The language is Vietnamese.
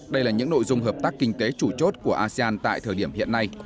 đây là những nội dung hợp tác kinh tế chủ chốt của asean tại thời điểm hiện nay